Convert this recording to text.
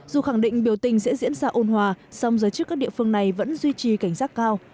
dù khẳng định biểu tình sẽ diễn ra ôn hòa song giới chức các địa phương này vẫn duy trì cảnh giác cao